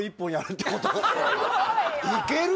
いける！？